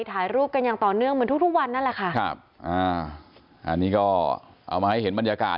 ถ่ายรูปกันอย่างต่อเนื่องเหมือนทุกวันนั่นแหละค่ะ